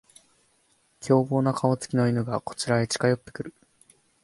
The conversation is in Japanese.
凶暴な顔つきの犬がこちらへ近寄ってくる